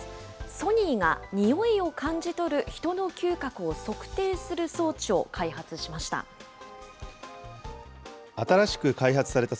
ソニーが匂いを感じ取る人の嗅覚を測定する装置を開発しました。